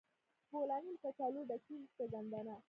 بولاني له کچالو ډکیږي که ګندنه؟